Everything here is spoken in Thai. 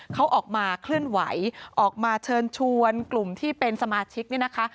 เขาออกมาเคลื่อนไหวออกมาเชิญชวนกลุ่มที่เป็นสมาชิกเนี่ยนะคะ